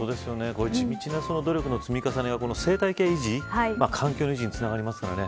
こういう地道な努力の積み重ねが生態系の維持、環境維持につながりますからね。